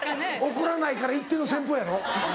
「怒らないから言って」の戦法やろ。